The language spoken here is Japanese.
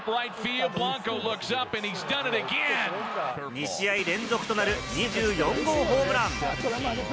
２試合連続となる２４号ホームラン。